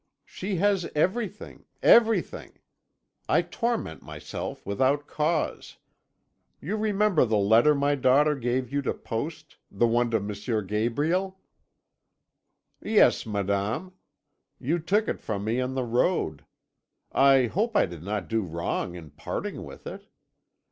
She has everything everything! I torment myself without cause. You remember the letter my daughter gave you to post the one to M. Gabriel?' "'Yes, madame; you took it from me on the road. I hope I did not do wrong in parting with it.